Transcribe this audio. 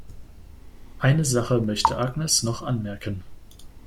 Eine Sache möchte Agnes noch anmerken.